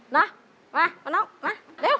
นะมามาน้องมาเร็ว